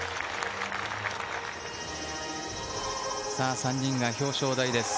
３人が表彰台です。